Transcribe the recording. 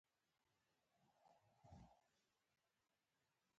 د ښیښه یي دیوال هاخوا مې الوتکې وکتلې.